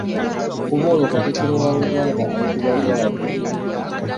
Okuva olwo Katikkiro wa Buganda ayitibwa bw'atyo.